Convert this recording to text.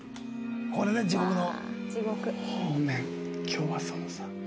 これね地獄の。